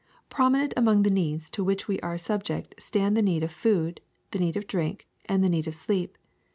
*^ Prominent among the needs to which we are sub ject stand the need of food, the need of drink, and the need of sleep.